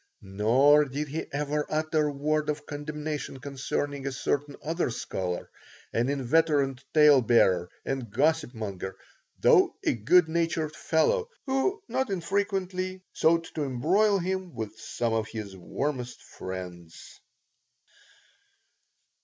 Nor did he ever utter a word of condemnation concerning a certain other scholar, an inveterate tale bearer and gossip monger, though a good natured fellow, who not infrequently sought to embroil him with some of his warmest friends.